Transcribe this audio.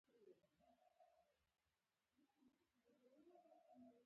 دوی ګړندي ولاړل.